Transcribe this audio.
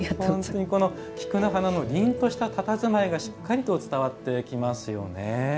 菊の花のりんとした、たたずまいがしっかりと伝わってきますよね。